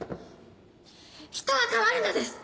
人は変わるのです！